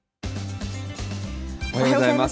おはようございます。